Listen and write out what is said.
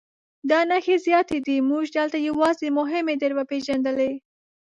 دا نښې زیاتې دي موږ دلته یوازې مهمې در وپېژندلې.